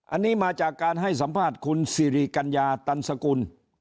อันนี้มาจากการให้สัมภาษณ์คุณสิริกัญญาตันสกุล